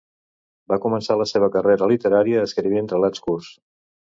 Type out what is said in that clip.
Va començar la seva carrera literària escrivint relats curts.